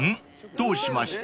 どうしました？］